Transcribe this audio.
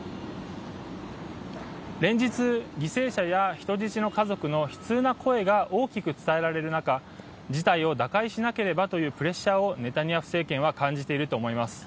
連日犠牲者や人質の家族の悲痛な声が大きく伝えられる中事態を打開しなければというプレッシャーをネタニヤフ政権は感じていると思います。